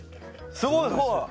すごいすごい！